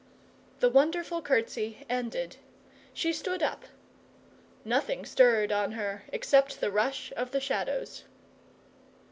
The wonderful curtsy ended. She stood up. Nothing stirred on her except the rush of the shadows.